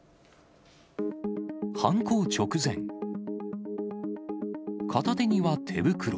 犯行直前、片手には手袋。